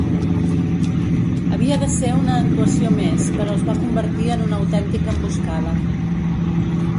Havia de ser una actuació més però es va convertir en una autèntica emboscada.